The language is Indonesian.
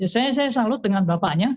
saya salut dengan bapaknya